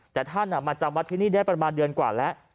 แต่ท่านมาจำวัดที่นี่ได้ประมาณเดือนกว่าแล้ว